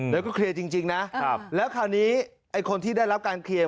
แล้วก็เคลียร์จริงนะแล้วคราวนี้ไอ้คนที่ได้รับการเคลียร์